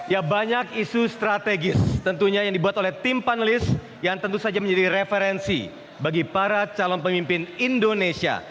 ya banyak isu strategis tentunya yang dibuat oleh tim panelis yang tentu saja menjadi referensi bagi para calon pemimpin indonesia